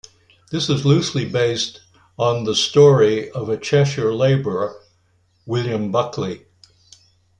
It is loosely based on the story of a Cheshire labourer, William Buckley.